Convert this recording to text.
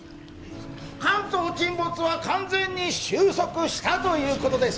関東沈没は完全に終息したということです